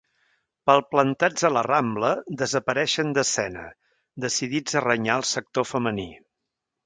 Palplantats a la Rambla, desapareixen d'escena, decidits a renyar el sector femení.